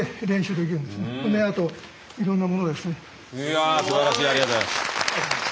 いやすばらしいありがとうございます。